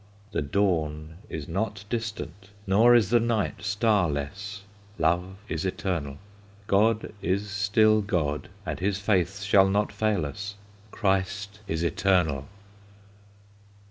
"The dawn is not distant, Nor is the night starless; Love is eternal! God is still God, and His faith shall not fail us; Christ is eternal!"